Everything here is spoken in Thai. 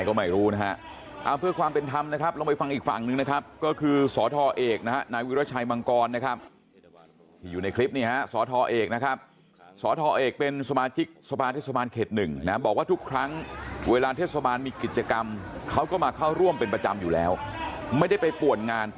ครับเกือบแล้ว